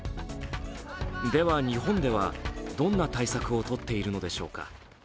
では日本では、どんな対策をとっているのでしょうか。